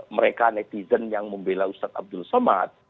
mereka netizen yang membela ustadz abdul somad